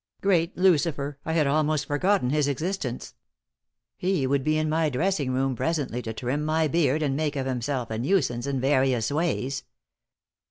Great Lucifer, I had almost forgotten his existence. He would be in my dressing room presently to trim my beard and make of himself a nuisance in various ways.